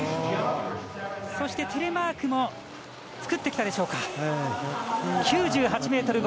そしてテレマークも作ってきたでしょうか。